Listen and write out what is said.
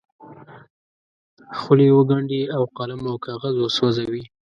خولې وګنډي او قلم او کاغذ وسوځوي.